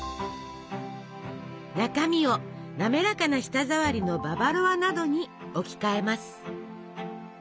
中身を滑らかな舌触りのババロアなどに置き換えます。